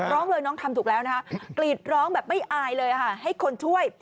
ร้องเลยน้องทำถูกแล้วนะคะกรีดร้องแบบไม่อายเลยค่ะให้คนช่วย